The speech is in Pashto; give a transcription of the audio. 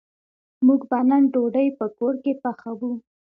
موږ به نن ډوډۍ په کور کی پخوو